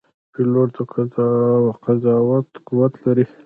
پیلوټ د قضاوت قوت لري.